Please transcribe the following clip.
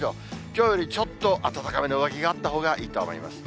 きょうよりちょっと暖かめの上着があったほうがいいと思います。